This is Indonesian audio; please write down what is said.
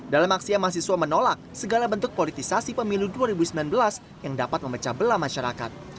dalam aksi yang mahasiswa menolak segala bentuk politisasi pemilu dua ribu sembilan belas yang dapat memecah belah masyarakat